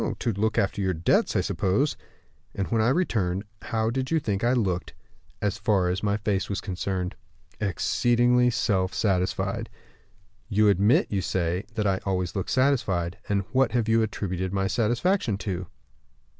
"To look after your debts, I suppose." "And when I returned, how did you think I looked, as far as my face was concerned?" "Exceedingly self satisfied." "You admit, you say, that I always look satisfied. And what have you attributed my satisfaction to?"